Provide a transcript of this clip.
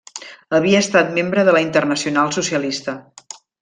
Havia estat membre de la Internacional Socialista.